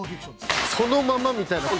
そのままみたいな。